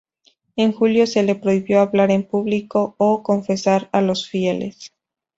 En julio se le prohibió hablar en público o confesar a los fieles.